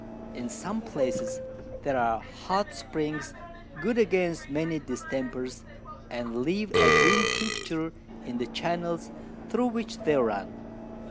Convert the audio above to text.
In some Places there are hot Springs, good against many Distempers, and leave a green Tincture in the Channels thro' which they run.